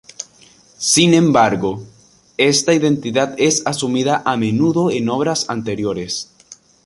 Sin embargo, esta identidad es asumida a menudo en obras anteriores.